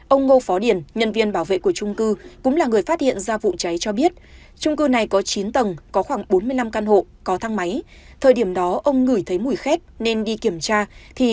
ông ngô phó điền nhân viên bảo vệ của trung cư cũng là người phát hiện ra vụ cháy cho biết